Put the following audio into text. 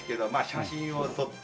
写真を撮って。